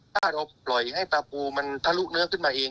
ถ้าเราปล่อยให้ปลาปูมันทะลุเนื้อขึ้นมาเอง